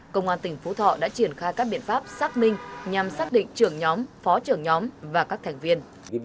công an tỉnh phú thọ đã triển khai các biện pháp xác minh nhằm xác định trưởng nhóm phó trưởng nhóm và các thành viên